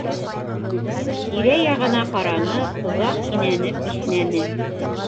Тирә-яғына ҡаранып, оҙаҡ кинәнеп иҫнәне.